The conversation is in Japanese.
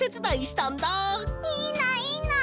いいないいな！